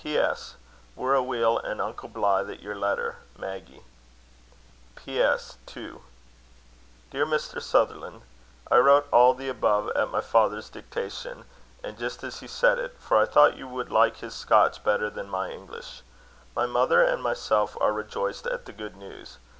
"P.S. We're a' weel, an' unco blythe at your letter. Maggy "P.S. 2. Dear Mr. Sutherland, I wrote all the above at my father's dictation, and just as he said it, for I thought you would like his Scotch better than my English. My mother and I myself are rejoiced at the good news.